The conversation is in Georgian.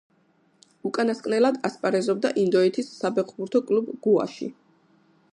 უკანასკნელად ასპარეზობდა ინდოეთის საფეხბურთო კლუბ „გოაში“.